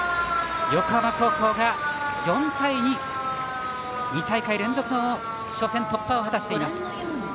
横浜高校が４対２２大会連続の初戦突破を果たしています。